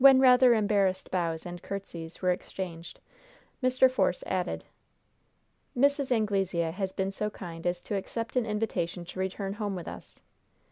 When rather embarrassed bows and courtesies were exchanged, Mr. Force added: "Mrs. Anglesea has been so kind as to accept an invitation to return home with us."